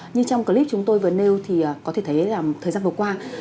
như trong clip chúng tôi vừa nêu thì có thể thấy là thời gian vừa qua